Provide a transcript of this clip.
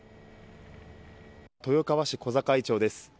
豊川市小坂井町です。